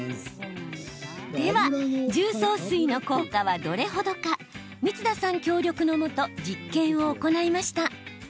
では重曹水の効果はどれほどか光田さん協力のもと実験を行いました。